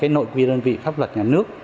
nội quy đơn vị pháp luật nhà nước